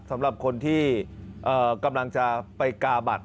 สำหรับคนที่กำลังจะไปกาบัตร